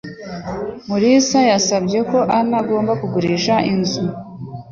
Mulisa yasabye ko Ann agomba kugurisha inzu.